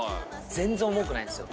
全然重くないんですよ